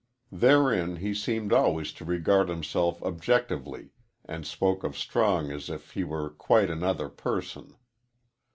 Therein he seemed always to regard himself objectively and spoke of Strong as if he were quite another person.